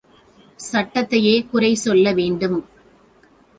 சட்டத்தையே குறை சொல்லவேண்டும்.